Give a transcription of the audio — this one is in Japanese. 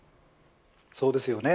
そうですよね。